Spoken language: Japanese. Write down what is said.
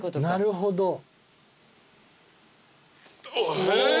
なるほど。